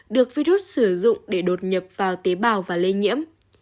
được virus sử dụng để đột nhập vào tế bào và lây nhiễm